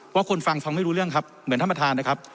คนฟังฟังไม่รู้เรื่องครับเหมือนท่านประธานนะครับ